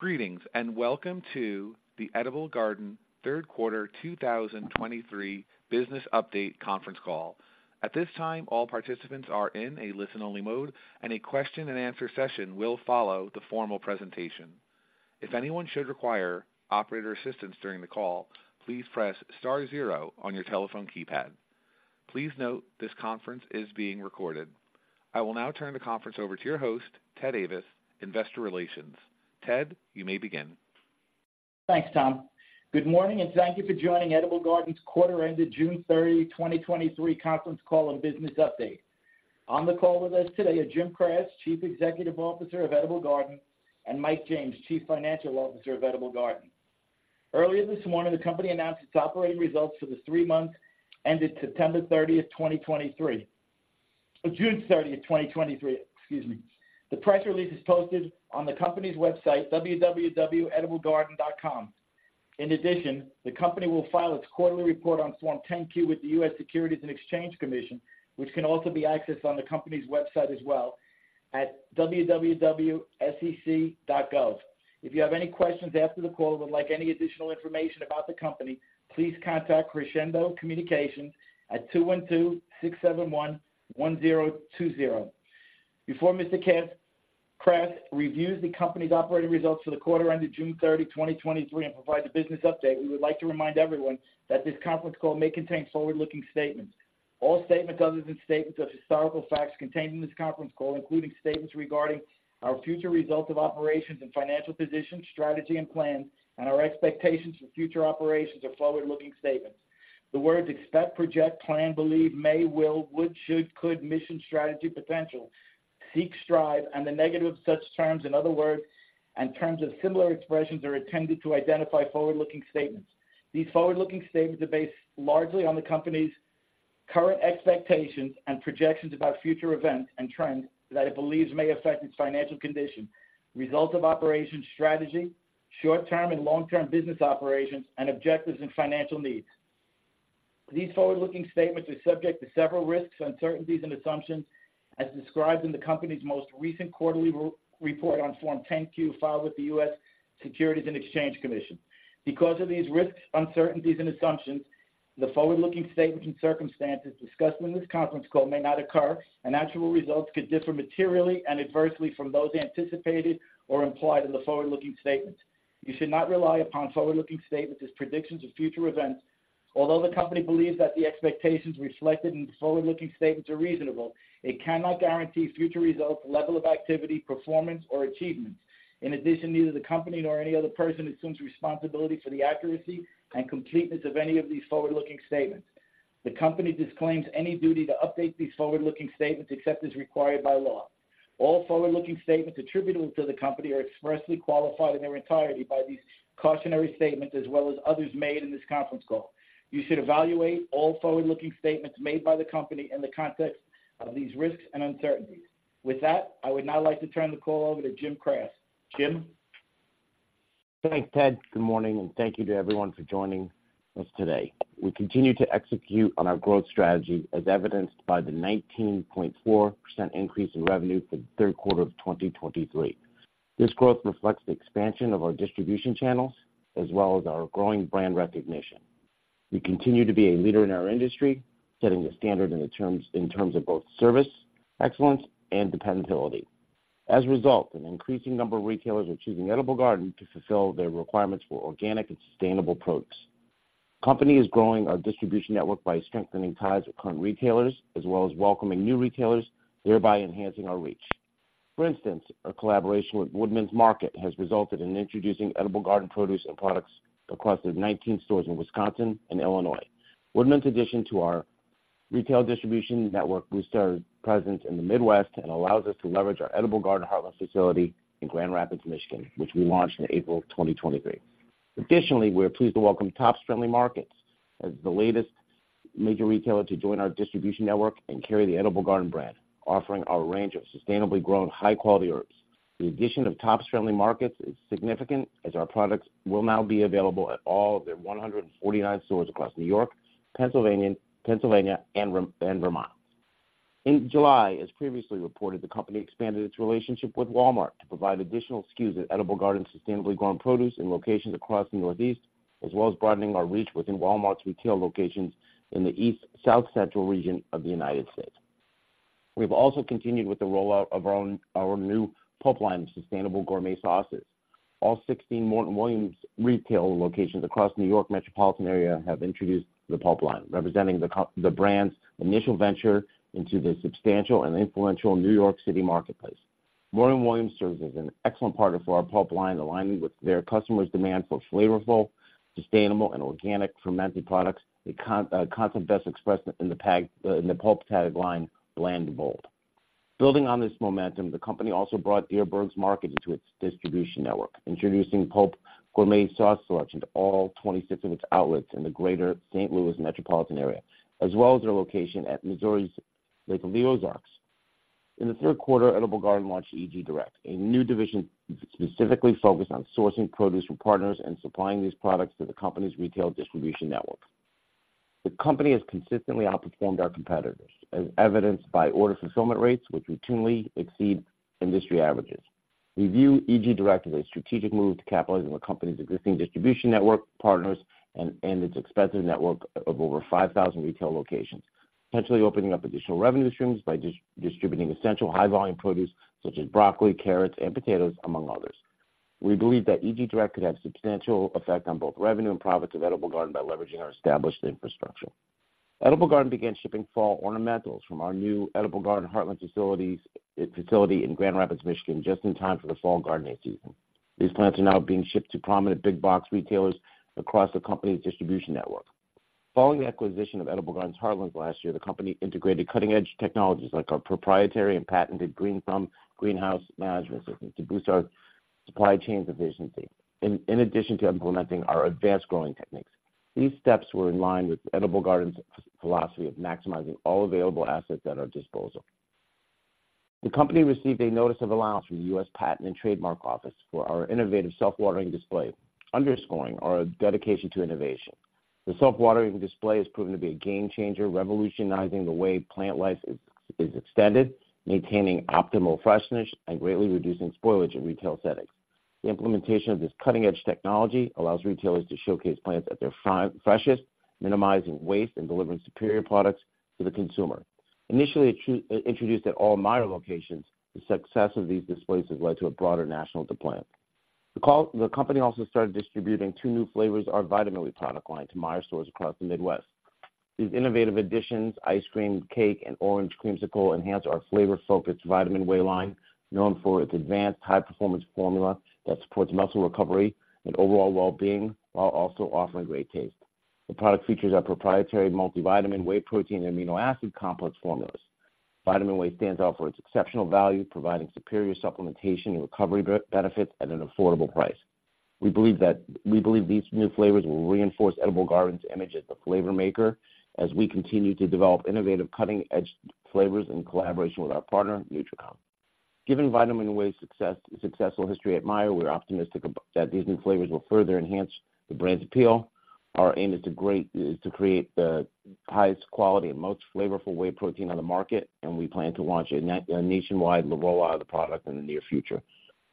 Greetings, and welcome to the Edible Garden third quarter 2023 business update conference call. At this time, all participants are in a listen-only mode, and a question and answer session will follow the formal presentation. If anyone should require operator assistance during the call, please press star zero on your telephone keypad. Please note, this conference is being recorded. I will now turn the conference over to your host, Ted Ayvas, Investor Relations. Ted, you may begin. Thanks, Tom. Good morning, and thank you for joining Edible Garden's quarter ended June 30, 2023 conference call and business update. On the call with us today are Jim Kras, Chief Executive Officer of Edible Garden, and Mike James, Chief Financial Officer of Edible Garden. Earlier this morning, the company announced its operating results for the three months ended September 30, 2023. June 30, 2023, excuse me. The press release is posted on the company's website, www.ediblegarden.com. In addition, the company will file its quarterly report on Form 10-Q with the U.S. Securities and Exchange Commission, which can also be accessed on the company's website as well at www.sec.gov. If you have any questions after the call or would like any additional information about the company, please contact Crescendo Communications at 212-671-1020. Before Mr. Kras reviews the company's operating results for the quarter ended June 30, 2023, and provides a business update. We would like to remind everyone that this conference call may contain forward-looking statements. All statements other than statements of historical facts contained in this conference call, including statements regarding our future results of operations and financial position, strategy, and plans, and our expectations for future operations are forward-looking statements. The words expect, project, plan, believe, may, will, would, should, could, mission, strategy, potential, seek, strive, and the negative such terms and other words and terms of similar expressions are intended to identify forward-looking statements. These forward-looking statements are based largely on the company's current expectations and projections about future events and trends that it believes may affect its financial condition, results of operations, strategy, short-term and long-term business operations, and objectives and financial needs. These forward-looking statements are subject to several risks, uncertainties, and assumptions as described in the company's most recent quarterly report on Form 10-Q, filed with the U.S. Securities and Exchange Commission. Because of these risks, uncertainties, and assumptions, the forward-looking statements and circumstances discussed in this conference call may not occur, and actual results could differ materially and adversely from those anticipated or implied in the forward-looking statements. You should not rely upon forward-looking statements as predictions of future events. Although the company believes that the expectations reflected in the forward-looking statements are reasonable, it cannot guarantee future results, level of activity, performance, or achievements. In addition, neither the company nor any other person assumes responsibility for the accuracy and completeness of any of these forward-looking statements. The company disclaims any duty to update these forward-looking statements except as required by law. All forward-looking statements attributable to the company are expressly qualified in their entirety by these cautionary statements, as well as others made in this conference call. You should evaluate all forward-looking statements made by the company in the context of these risks and uncertainties. With that, I would now like to turn the call over to Jim Kras. Jim? Thanks, Ted. Good morning, and thank you to everyone for joining us today. We continue to execute on our growth strategy, as evidenced by the 19.4% increase in revenue for the third quarter of 2023. This growth reflects the expansion of our distribution channels as well as our growing brand recognition. We continue to be a leader in our industry, setting the standard in terms of both service, excellence, and dependability. As a result, an increasing number of retailers are choosing Edible Garden to fulfill their requirements for organic and sustainable produce. Company is growing our distribution network by strengthening ties with current retailers as well as welcoming new retailers, thereby enhancing our reach. For instance, our collaboration with Woodman's Market has resulted in introducing Edible Garden produce and products across their 19 stores in Wisconsin and Illinois. Woodman's addition to our retail distribution network boosts our presence in the Midwest and allows us to leverage our Edible Garden Heartland facility in Grand Rapids, Michigan, which we launched in April 2023. Additionally, we're pleased to welcome Tops Friendly Markets as the latest major retailer to join our distribution network and carry the Edible Garden brand, offering our range of sustainably grown, high-quality herbs. The addition of Tops Friendly Markets is significant, as our products will now be available at all of their 149 stores across New York, Pennsylvania, and Vermont. In July, as previously reported, the company expanded its relationship with Walmart to provide additional SKUs of Edible Garden sustainably grown produce in locations across the Northeast, as well as broadening our reach within Walmart's retail locations in the East South Central region of the United States. We've also continued with the rollout of our new Pulp Line sustainable gourmet sauces. All 16 Morton Williams retail locations across New York metropolitan area have introduced the Pulp Line, representing the brand's initial venture into the substantial and influential New York City marketplace. Morton Williams serves as an excellent partner for our Pulp Line, aligning with their customers' demand for flavorful, sustainable, and organic fermented products, a concept best expressed in the Pulp tagline, "Bland Bold." Building on this momentum, the company also brought Dierbergs Market into its distribution network, introducing Pulp gourmet sauce selection to all 26 of its outlets in the Greater St. Louis metropolitan area, as well as their location at Missouri's Lake of the Ozarks. In the third quarter, Edible Garden launched EG Direct, a new division specifically focused on sourcing produce from partners and supplying these products to the company's retail distribution network. The company has consistently outperformed our competitors, as evidenced by order fulfillment rates, which routinely exceed industry averages. We view EG Direct as a strategic move to capitalize on the company's existing distribution network partners and its expansive network of over 5,000 retail locations, potentially opening up additional revenue streams by distributing essential high-volume produce such as broccoli, carrots, and potatoes, among others. We believe that EG Direct could have substantial effect on both revenue and profits of Edible Garden by leveraging our established infrastructure. Edible Garden began shipping fall ornamentals from our new Edible Garden Heartland facility in Grand Rapids, Michigan, just in time for the fall gardening season. These plants are now being shipped to prominent big box retailers across the company's distribution network. Following the acquisition of Edible Garden Heartland last year, the company integrated cutting-edge technologies like our proprietary and patented GreenThumb greenhouse management system to boost our supply chain's efficiency. In addition to implementing our advanced growing techniques, these steps were in line with Edible Garden's philosophy of maximizing all available assets at our disposal. The company received a notice of allowance from the U.S. Patent and Trademark Office for our innovative self-watering display, underscoring our dedication to innovation. The self-watering display has proven to be a game changer, revolutionizing the way plant life is extended, maintaining optimal freshness and greatly reducing spoilage in retail settings. The implementation of this cutting-edge technology allows retailers to showcase plants at their freshest, minimizing waste and delivering superior products to the consumer. Initially, introduced at all Meijer locations, the success of these displays has led to a broader national deployment. The company also started distributing two new flavors, our Vitamin Whey product line, to Meijer stores across the Midwest. These innovative additions, Ice Cream Cake, and Orange Creamsicle, enhance our flavor-focused Vitamin Whey line, known for its advanced high-performance formula that supports muscle recovery and overall well-being, while also offering great taste. The product features our proprietary multivitamin, whey protein, and amino acid complex formulas. Vitamin Whey stands out for its exceptional value, providing superior supplementation and recovery benefits at an affordable price. We believe these new flavors will reinforce Edible Garden's image as the flavor maker as we continue to develop innovative, cutting-edge flavors in collaboration with our partner, Nutracon. Given Vitamin Whey's successful history at Meijer, we're optimistic that these new flavors will further enhance the brand's appeal. Our aim is to create the highest quality and most flavorful whey protein on the market, and we plan to launch a nationwide rollout of the product in the near future.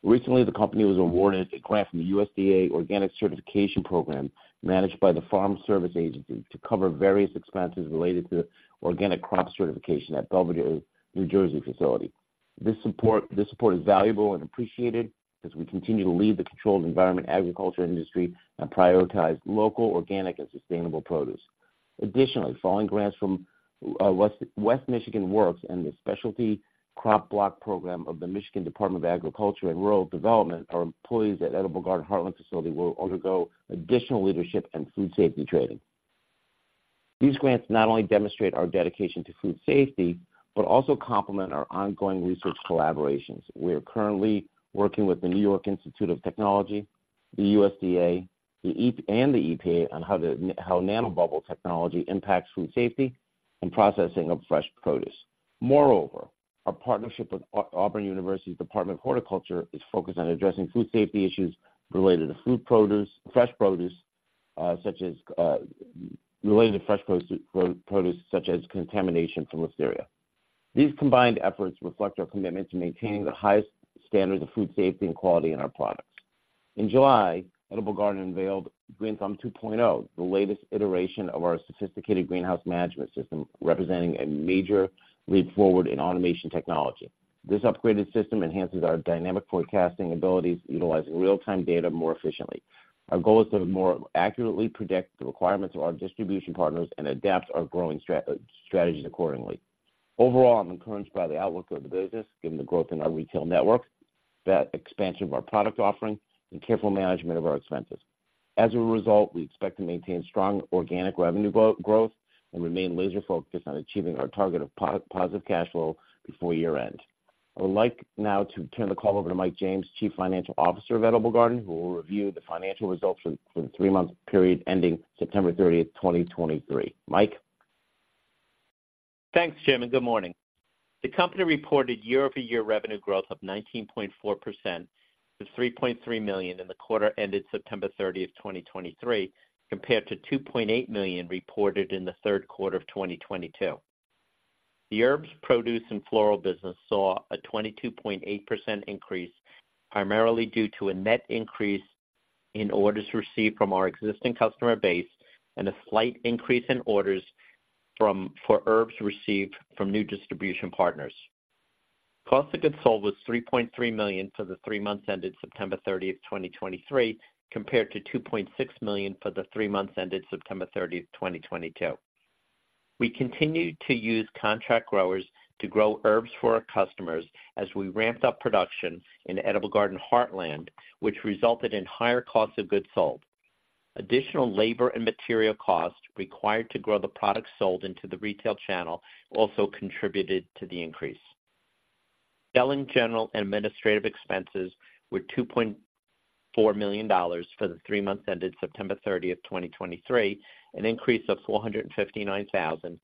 Recently, the company was awarded a grant from the USDA Organic Certification Program, managed by the Farm Service Agency, to cover various expenses related to organic crop certification at Belvidere, New Jersey facility. This support is valuable and appreciated as we continue to lead the controlled environment agriculture industry and prioritize local, organic, and sustainable produce. Additionally, following grants from West Michigan Works and the Specialty Crop Block Program of the Michigan Department of Agriculture and Rural Development, our employees at Edible Garden Heartland facility will undergo additional leadership and food safety training. These grants not only demonstrate our dedication to food safety, but also complement our ongoing research collaborations. We are currently working with the New York Institute of Technology, the USDA, and the EPA on how nanobubble technology impacts food safety and processing of fresh produce. Moreover, our partnership with Auburn University's Department of Horticulture is focused on addressing food safety issues related to fresh produce, such as contamination from Listeria. These combined efforts reflect our commitment to maintaining the highest standards of food safety and quality in our products. In July, Edible Garden unveiled GreenThumb 2.0, the latest iteration of our sophisticated greenhouse management system, representing a major leap forward in automation technology. This upgraded system enhances our dynamic forecasting abilities, utilizing real-time data more efficiently. Our goal is to more accurately predict the requirements of our distribution partners and adapt our growing strategies accordingly. Overall, I'm encouraged by the outlook of the business, given the growth in our retail network, the expansion of our product offering, and careful management of our expenses. As a result, we expect to maintain strong organic revenue growth and remain laser-focused on achieving our target of positive cash flow before year-end. I would like now to turn the call over to Mike James, Chief Financial Officer of Edible Garden, who will review the financial results for the three-month period ending September 30, 2023. Mike? Thanks, Jim, and good morning. The company reported year-over-year revenue growth of 19.4% to $3.3 million in the quarter ended September 30, 2023, compared to $2.8 million reported in the third quarter of 2022. The herbs, produce, and floral business saw a 22.8% increase, primarily due to a net increase in orders received from our existing customer base and a slight increase in orders for herbs received from new distribution partners. Cost of goods sold was $3.3 million for the three months ended September 30, 2023, compared to $2.6 million for the three months ended September 30, 2022. We continued to use contract growers to grow herbs for our customers as we ramped up production in Edible Garden Heartland, which resulted in higher costs of goods sold. Additional labor and material costs required to grow the products sold into the retail channel also contributed to the increase. Selling, general, and administrative expenses were $2.4 million for the three months ended September 30, 2023, an increase of 459,000,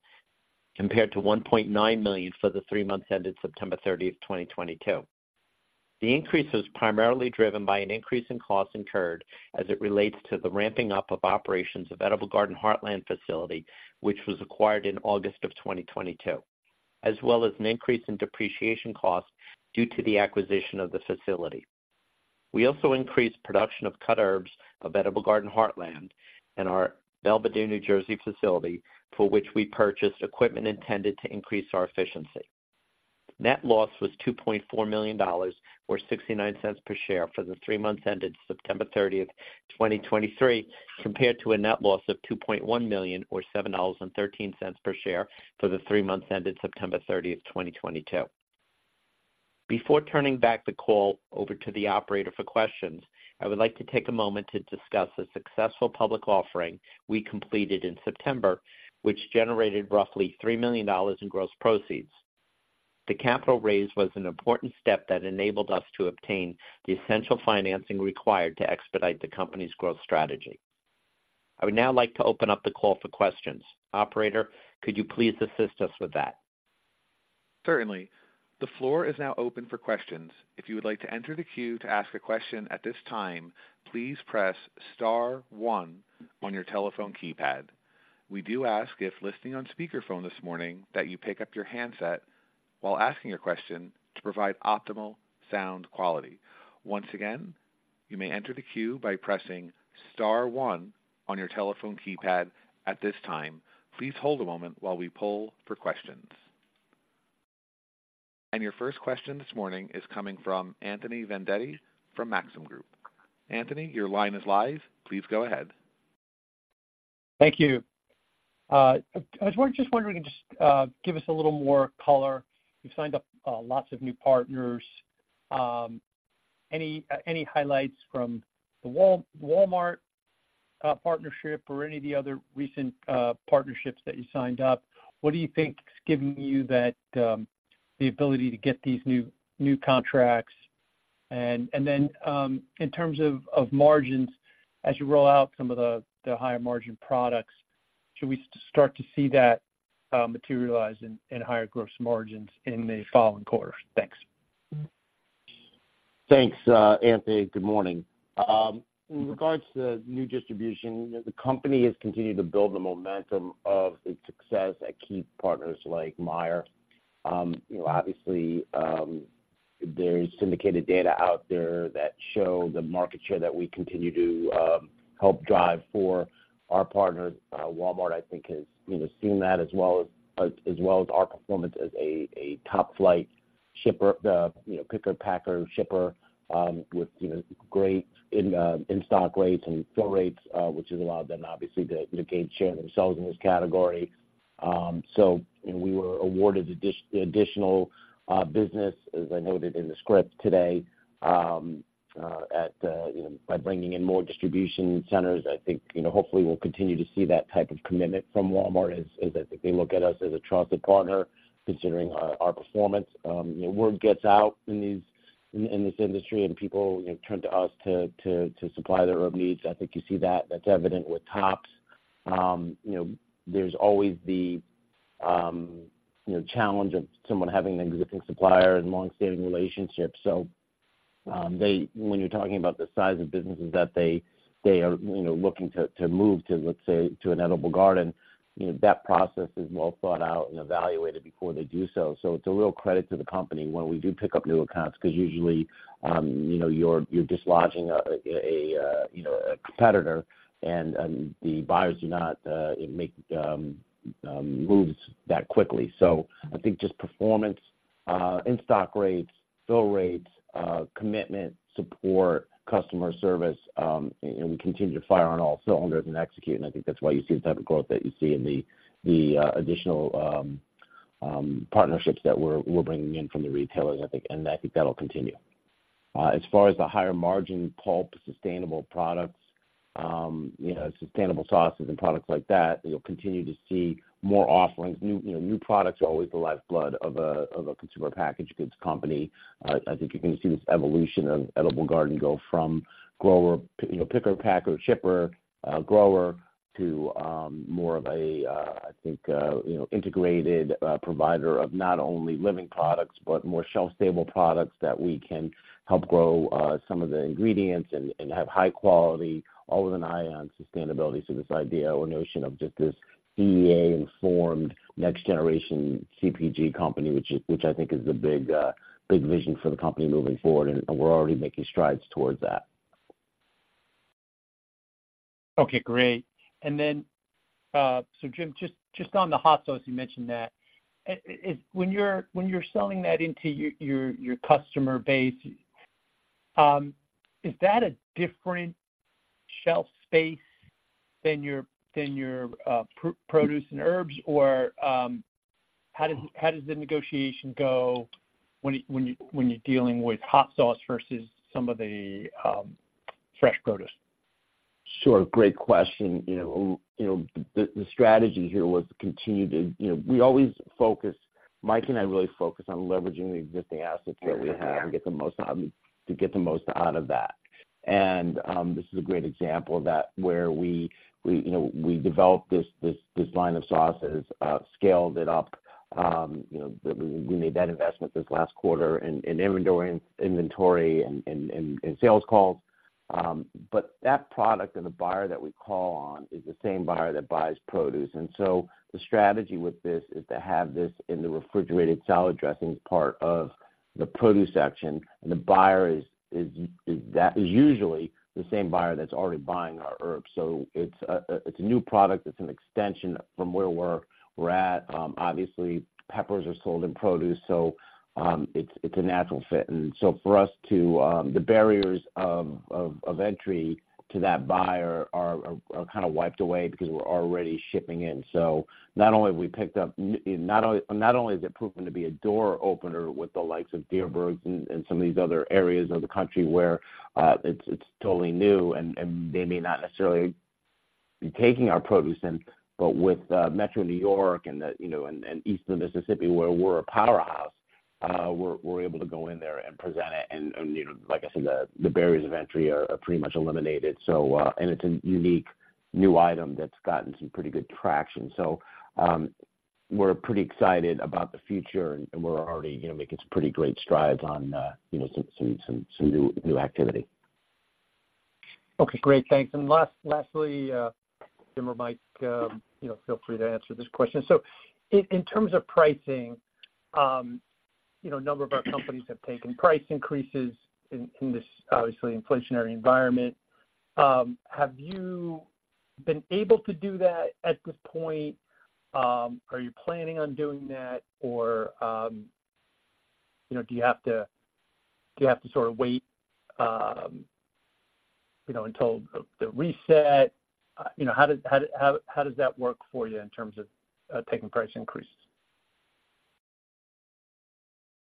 compared to $1.9 million for the three months ended September 30, 2022. The increase was primarily driven by an increase in costs incurred as it relates to the ramping up of operations of Edible Garden Heartland facility, which was acquired in August of 2022, as well as an increase in depreciation costs due to the acquisition of the facility. We also increased production of cut herbs of Edible Garden Heartland in our Belvidere, New Jersey, facility, for which we purchased equipment intended to increase our efficiency. Net loss was $2.4 million, or $0.69 per share, for the three months ended September 30, 2023, compared to a net loss of $2.1 million, or $7.13 per share, for the three months ended September 30, 2022. Before turning back the call over to the operator for questions, I would like to take a moment to discuss the successful public offering we completed in September, which generated roughly $3 million in gross proceeds. The capital raise was an important step that enabled us to obtain the essential financing required to expedite the company's growth strategy. I would now like to open up the call for questions. Operator, could you please assist us with that? Certainly. The floor is now open for questions. If you would like to enter the queue to ask a question at this time, please press star one on your telephone keypad. We do ask, if listening on speakerphone this morning, that you pick up your handset while asking a question to provide optimal sound quality. Once again, you may enter the queue by pressing star one on your telephone keypad at this time. Please hold a moment while we poll for questions. Your first question this morning is coming from Anthony Vendetti from Maxim Group. Anthony, your line is live. Please go ahead. Thank you. I was just wondering if you could just give us a little more color. You've signed up lots of new partners. Any highlights from the Walmart partnership or any of the other recent partnerships that you signed up? What do you think is giving you that the ability to get these new contracts? And then, in terms of margins, as you roll out some of the higher margin products, should we start to see that materialize in higher gross margins in the following quarters? Thanks. Thanks, Anthony. Good morning. In regards to new distribution, the company has continued to build the momentum of its success at key partners like Meijer. You know, obviously, there's syndicated data out there that show the market share that we continue to help drive for our partners. Walmart, I think, has, you know, seen that as well as our performance as a top-flight shipper, you know, picker, packer, shipper, with you know, great in-stock rates and fill rates, which has allowed them, obviously, to gain share themselves in this category. So, you know, we were awarded additional business, as I noted in the script today, at, you know, by bringing in more distribution centers. I think, you know, hopefully, we'll continue to see that type of commitment from Walmart as they look at us as a trusted partner, considering our performance. You know, word gets out in this industry, and people, you know, turn to us to supply their own needs. I think you see that. That's evident with Tops. You know, there's always the challenge of someone having an existing supplier and long-standing relationship. So, when you're talking about the size of businesses that they are, you know, looking to move to, let's say, to an Edible Garden, you know, that process is well thought out and evaluated before they do so. So it's a real credit to the company when we do pick up new accounts, because usually, you know, you're, you're dislodging a, a, you know, a competitor, and, and the buyers do not make moves that quickly. So I think just performance, in-stock rates, fill rates, commitment, support, customer service, and we continue to fire on all cylinders and execute. And I think that's why you see the type of growth that you see in the, the, additional partnerships that we're, we're bringing in from the retailers, I think, and I think that'll continue. As far as the higher margin Pulp, sustainable products, you know, sustainable sauces and products like that, you'll continue to see more offerings. New, you know, new products are always the lifeblood of a, of a consumer packaged goods company. I think you're going to see this evolution of Edible Garden go from grower, you know, picker, packer, shipper, grower, to, more of a, I think, you know, integrated, provider of not only living products, but more shelf-stable products that we can help grow, some of the ingredients and, and have high quality, all with an eye on sustainability. So this idea or notion of just this CEA-informed, next-generation CPG company, which is, which I think is the big, big vision for the company moving forward, and, and we're already making strides towards that. Okay, great. And then, so Jim, just on the hot sauce you mentioned that. Is when you're selling that into your customer base, is that a different shelf space than your produce and herbs? Or, how does the negotiation go when you're dealing with hot sauce versus some of the fresh produce? Sure. Great question. You know, the strategy here was to continue to, you know, we always focus, Mike and I really focus on leveraging the existing assets that we have to get the most out, to get the most out of that. And this is a great example of that, where we, you know, we developed this line of sauces, scaled it up. You know, we made that investment this last quarter in inventory and sales calls, but that product and the buyer that we call on is the same buyer that buys produce. And so the strategy with this is to have this in the refrigerated salad dressings part of the produce section. And the buyer is usually the same buyer that's already buying our herbs. So it's a new product. It's an extension from where we're at. Obviously, peppers are sold in produce, so it's a natural fit. So for us to, the barriers of entry to that buyer are kind of wiped away because we're already shipping in. So not only has it proven to be a door opener with the likes of Dierbergs and some of these other areas of the country where it's totally new, and they may not necessarily be taking our produce in, but with Metro New York and the, you know, and Eastern Mississippi, where we're a powerhouse, we're able to go in there and present it. You know, like I said, the barriers of entry are pretty much eliminated. So, and it's a unique new item that's gotten some pretty good traction. So, we're pretty excited about the future, and we're already, you know, making some pretty great strides on, you know, some new activity. Okay, great. Thanks. And lastly, Jim or Mike, you know, feel free to answer this question. So in terms of pricing, you know, a number of our companies have taken price increases in this obviously inflationary environment. Have you been able to do that at this point? Are you planning on doing that, or, you know, do you have to sort of wait, you know, until the reset? You know, how does that work for you in terms of taking price increases?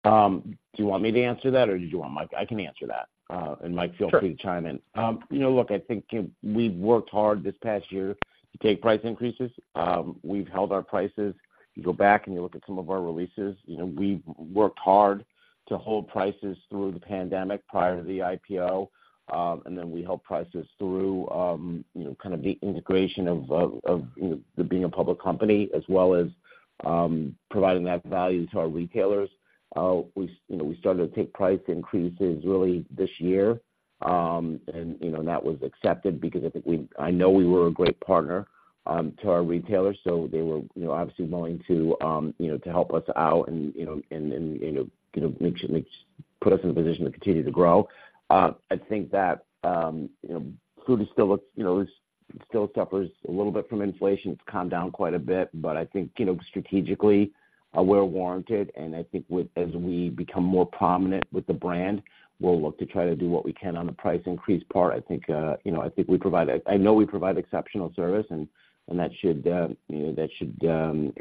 Do you want me to answer that, or do you want Mike? I can answer that. And Mike, Sure. Feel free to chime in. You know, look, I think we've worked hard this past year to take price increases. We've held our prices. You go back, and you look at some of our releases, you know, we've worked hard to hold prices through the pandemic prior to the IPO. And then we held prices through, you know, kind of the integration of you know, being a public company, as well as, providing that value to our retailers. We, you know, we started to take price increases really this year. You know, that was accepted because I think I know we were a great partner to our retailers, so they were, you know, obviously willing to, you know, to help us out and, you know, kind of make sure put us in a position to continue to grow. I think that, you know, food is still, you know, is still suffers a little bit from inflation. It's calmed down quite a bit, but I think, you know, strategically, we're warranted, and I think with as we become more prominent with the brand, we'll look to try to do what we can on the price increase part. I think, you know, I think we provide, I know we provide exceptional service, and that should, you know, that should,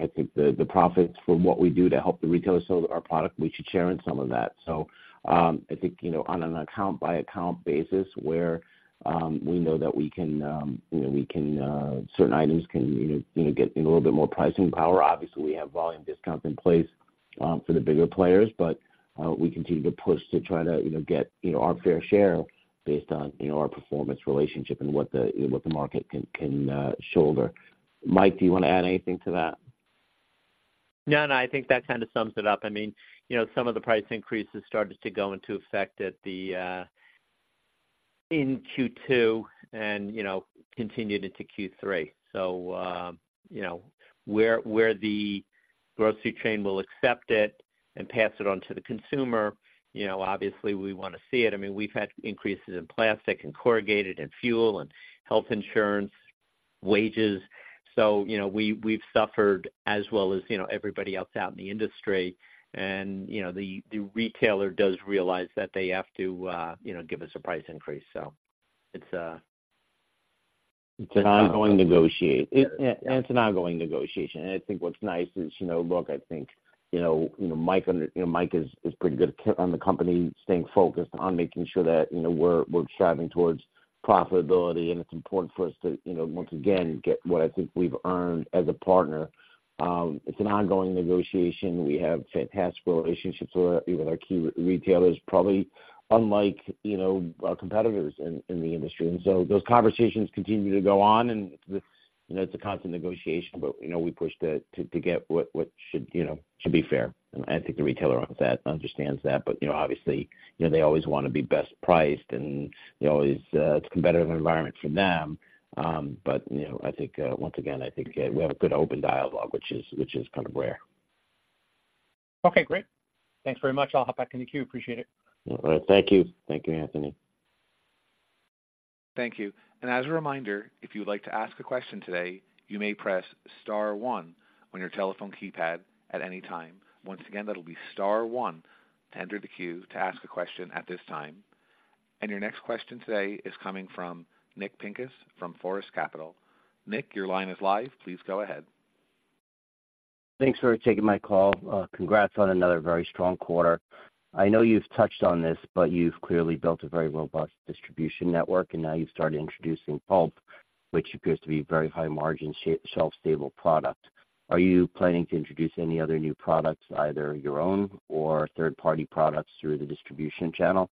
I think the profits from what we do to help the retailer sell our product, we should share in some of that. So, I think, you know, on an account-by-account basis, where we know that we can, you know, we can, certain items can, you know, get a little bit more pricing power. Obviously, we have volume discounts in place, for the bigger players, but we continue to push to try to, you know, get, you know, our fair share based on, you know, our performance relationship and what the market can shoulder. Mike, do you want to add anything to that? No, no, I think that kind of sums it up. I mean, you know, some of the price increases started to go into effect at the, in Q2 and, you know, continued into Q3. So, you know, where, where the grocery chain will accept it and pass it on to the consumer, you know, obviously, we want to see it. I mean, we've had increases in plastic and corrugated and fuel and health insurance, wages. So, you know, we, we've suffered as well as, you know, everybody else out in the industry. And, you know, the, the retailer does realize that they have to, you know, give us a price increase. So it's, It's an ongoing negotiation. And I think what's nice is, you know, look, I think, you know, you know, Mike, under, you know, Mike is pretty good on the company, staying focused on making sure that, you know, we're striving towards profitability, and it's important for us to, you know, once again, get what I think we've earned as a partner. It's an ongoing negotiation. We have fantastic relationships with our key retailers, probably unlike, you know, our competitors in the industry. And so those conversations continue to go on, and, you know, it's a constant negotiation, but, you know, we push to get what should, you know, should be fair. And I think the retailer understands that. Understands that. But, you know, obviously, you know, they always want to be best priced, and they always, it's a competitive environment for them. But, you know, I think, once again, I think, we have a good open dialogue, which is, which is kind of rare. Okay, great. Thanks very much. I'll hop back in the queue. Appreciate it. All right. Thank you. Thank you, Anthony. Thank you. As a reminder, if you would like to ask a question today, you may press star one on your telephone keypad at any time. Once again, that'll be star one to enter the queue to ask a question at this time. Your next question today is coming from Nick Pincus from Forest Capital. Nick, your line is live. Please go ahead. Thanks for taking my call. Congrats on another very strong quarter. I know you've touched on this, but you've clearly built a very robust distribution network, and now you've started introducing Pulp, which appears to be a very high margin shelf-stable product. Are you planning to introduce any other new products, either your own or third-party products, through the distribution channel?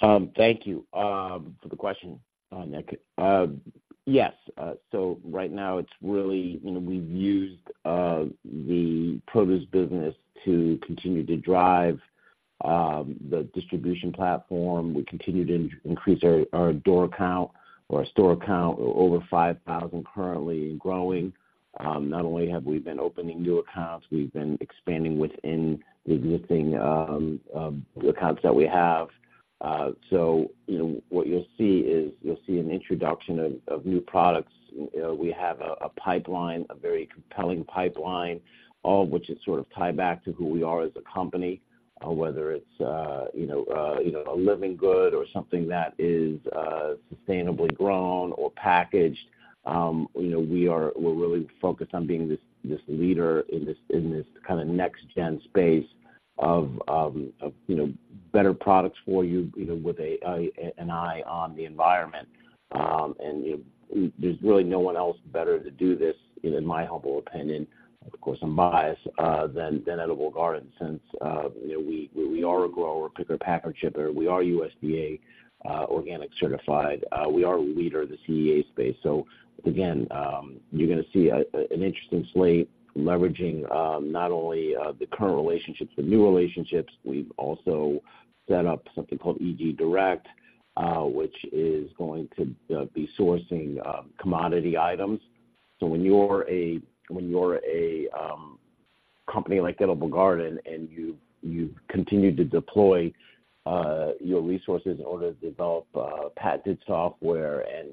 Thank you for the question, Nick. Yes, so right now it's really, you know, we've used the produce business to continue to drive the distribution platform. We continue to increase our door count or our store count over 5,000 currently and growing. Not only have we been opening new accounts, we've been expanding within the existing accounts that we have. So, you know, what you'll see is you'll see an introduction of new products. You know, we have a pipeline, a very compelling pipeline, all of which is sort of tied back to who we are as a company, whether it's a living good or something that is sustainably grown or packaged. You know, we're really focused on being this leader in this kind of next gen space of, you know, better products for you, you know, with an eye on the environment. There's really no one else better to do this, in my humble opinion, of course. I'm biased than Edible Garden, since, you know, we are a grower, picker, packer, shipper. We are USDA organic certified. We are a leader in the CEA space. So again, you're gonna see an interesting slate leveraging not only the current relationships, the new relationships. We've also set up something called EG Direct, which is going to be sourcing commodity items. So when you're a company like Edible Garden, and you continue to deploy your resources in order to develop patented software, and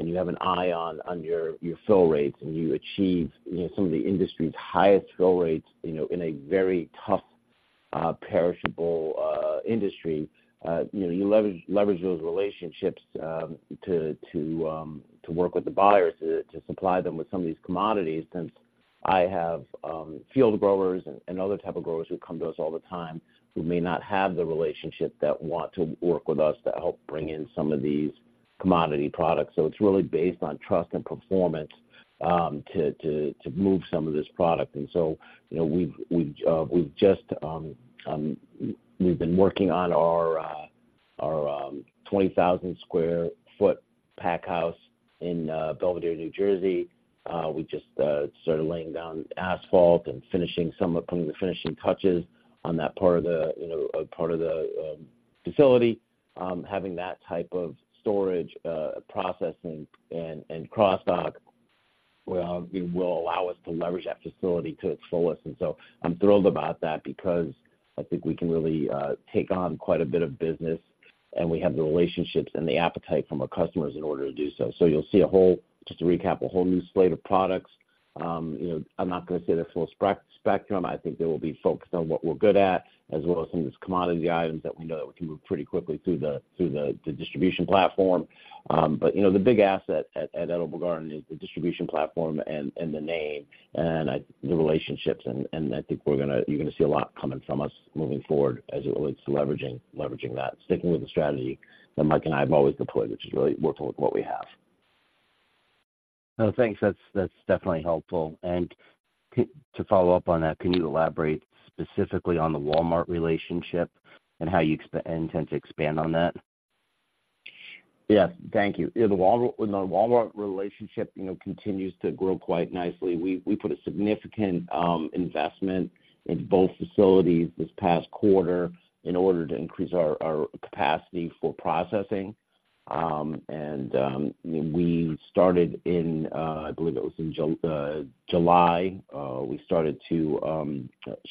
you have an eye on your fill rates, and you achieve, you know, some of the industry's highest fill rates, you know, in a very tough perishable industry, you know, you leverage those relationships to work with the buyers to supply them with some of these commodities. Since I have field growers and other type of growers who come to us all the time, who may not have the relationship that want to work with us to help bring in some of these commodity products. So it's really based on trust and performance to move some of this product. And so, you know, we've just. We've been working on our 20,000 sq ft pack house in Belvidere, New Jersey. We just started laying down asphalt and finishing some of, putting the finishing touches on that part of the, you know, part of the facility. Having that type of storage, processing and cross dock, well, it will allow us to leverage that facility to its fullest. And so I'm thrilled about that because I think we can really take on quite a bit of business, and we have the relationships and the appetite from our customers in order to do so. So you'll see a whole, just to recap, a whole new slate of products. You know, I'm not gonna say they're full spectrum. I think they will be focused on what we're good at, as well as some of these commodity items that we know can move pretty quickly through the distribution platform. But, you know, the big asset at Edible Garden is the distribution platform and the name and the relationships, and I think we're gonna, you're gonna see a lot coming from us moving forward as it relates to leveraging that. Sticking with the strategy that Mike and I have always deployed, which is really working with what we have. Oh, thanks. That's, that's definitely helpful. And to follow up on that, can you elaborate specifically on the Walmart relationship and how you expect and intend to expand on that? Yes, thank you. Yeah, the Walmart relationship, you know, continues to grow quite nicely. We, we put a significant investment in both facilities this past quarter in order to increase our, our capacity for processing. And we started in, I believe it was in July, we started to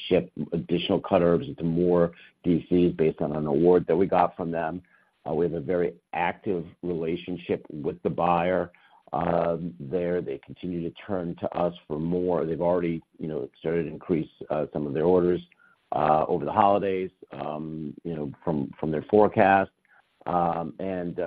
ship additional cut herbs into more DCs based on an award that we got from them. We have a very active relationship with the buyer. There, they continue to turn to us for more. They've already, you know, started to increase some of their orders over the holidays, you know, from, from their forecast. And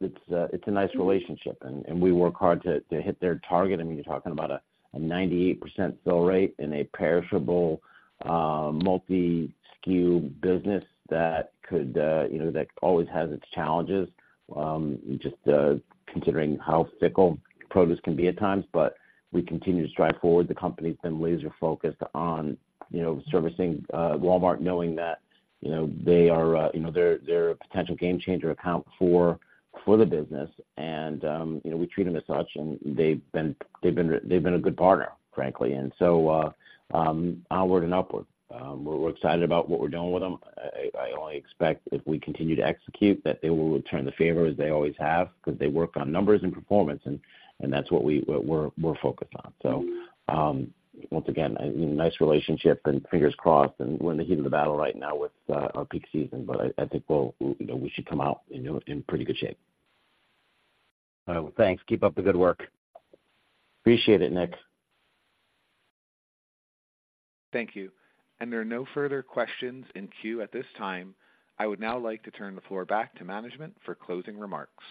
it's a nice relationship, and we work hard to hit their target. I mean, you're talking about a 98% fill rate in a perishable multi SKU business that could, you know, that always has its challenges, just considering how fickle produce can be at times. But we continue to strive forward. The company's been laser focused on, you know, servicing Walmart, knowing that, you know, they are, you know, they're a potential game changer account for the business. And, you know, we treat them as such, and they've been a good partner, frankly. And so, onward and upward. We're excited about what we're doing with them. I only expect if we continue to execute, that they will return the favor as they always have, because they work on numbers and performance, and that's what we're focused on. So, once again, nice relationship and fingers crossed, and we're in the heat of the battle right now with our peak season, but I think we'll, you know, we should come out in pretty good shape. Well, thanks. Keep up the good work. Appreciate it, Nick. Thank you. There are no further questions in queue at this time. I would now like to turn the floor back to management for closing remarks.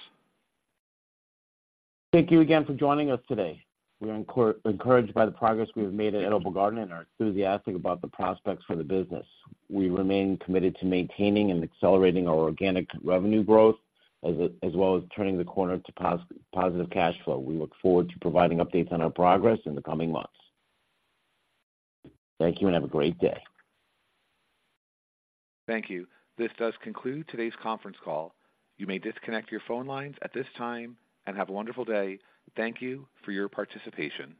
Thank you again for joining us today. We are encouraged by the progress we have made at Edible Garden and are enthusiastic about the prospects for the business. We remain committed to maintaining and accelerating our organic revenue growth, as well as turning the corner to positive cash flow. We look forward to providing updates on our progress in the coming months. Thank you, and have a great day. Thank you. This does conclude today's conference call. You may disconnect your phone lines at this time, and have a wonderful day. Thank you for your participation.